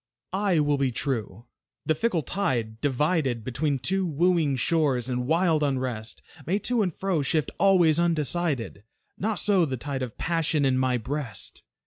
I will be true. The fickle tide, divided Between two wooing shores, in wild unrest May to and fro shift always undecided; Not so the tide of Passion in my breast.